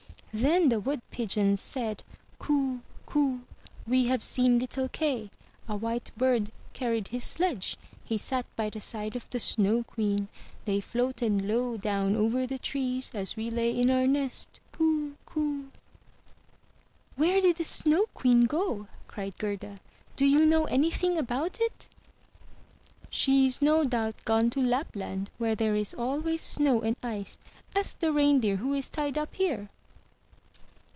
Then the Wood pigeons said, "Coo! coo! we have seen little Kay! A white bird carried his sledge! He sat by the side of the Snow Queen. They floated low down over the trees, as we lay in our nest. Coo! coo!'' "Where did the Snow Queen go?'* cried Gerda. "Do you know anything about it?'* "She is no doubt gone to Lapland where there is always snow and ice. Ask the reindeer who is tied up here."